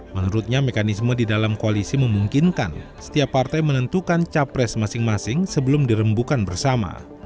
menurutnya mekanisme di dalam koalisi memungkinkan setiap partai menentukan capres masing masing sebelum dirembukan bersama